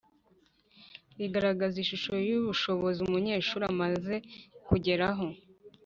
rigaragaza ishusho y'ubushobozi umunyeshuri amaze kugeraho